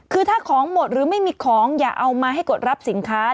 คือถ้าของหมดหรือไม่มีของอย่าเอามาให้กดรับสินค้า